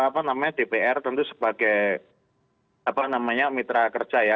karena dpr tentu sebagai mitra kerja ya